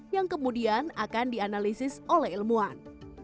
yang kemudian akan dianalisis oleh ilmuwan